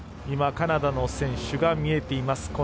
今、カナダの選手が見えています。